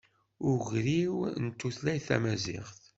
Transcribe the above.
Ugriw n tutlayt tamaziɣt.